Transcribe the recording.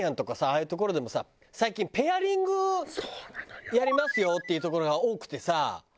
あいう所でもさ最近ペアリングやりますよっていう所が多くてさ。